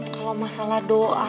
kalo masalah doa